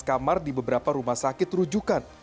kamar di beberapa rumah sakit rujukan